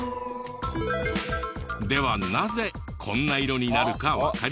ではなぜこんな色になるかわかりますか？